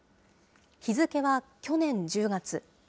日付は去年１０月。